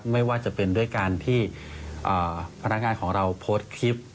ไม่ว่าจะเป็นด้วยการที่พนักงานของเราโพสต์คลิป